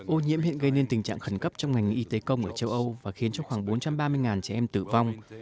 ô nhiễm hiện gây nên tình trạng khẩn cấp trong ngành y tế công ở châu âu và khiến cho khoảng bốn trăm ba mươi trẻ em tử vong